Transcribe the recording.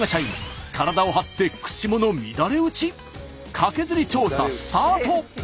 カケズリ調査スタート。